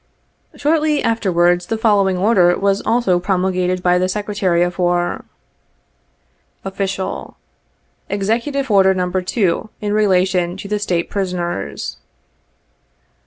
Shortly afterwards the following Order was also promul gated by the Secretary of War :" OFFICIAL. " Executive Order, No. 2, in Relation to the State Prisoners.